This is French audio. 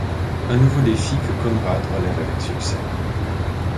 Un nouveau défi que Conrad relève avec succès.